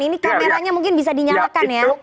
ini kameranya mungkin bisa dinyalakan ya